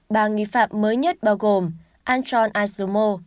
ba nghi phạm mới nhất bao gồm antron aslomo